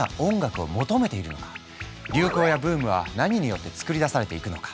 流行やブームは何によって作り出されていくのか？